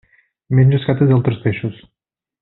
Menja escates d'altres peixos.